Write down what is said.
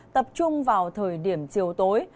tập trung vào thời điểm chiều tối